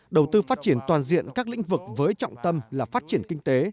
đầu tư phát triển toàn diện các lĩnh vực với trọng tâm là phát triển kinh tế